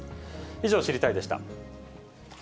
以上、知りたいッ！でした。